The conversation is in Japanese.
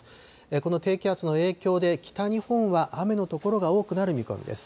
この低気圧の影響で、北日本は雨の所が多くなる見込みです。